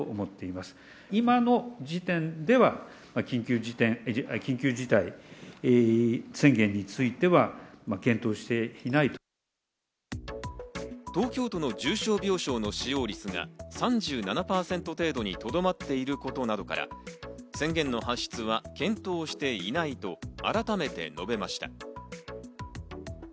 緊急事態宣言の判断について岸田総理は。東京都の重症病床の使用率が３７％程度にとどまっていることなどから、宣言の発出は検討していないと改めて述べました。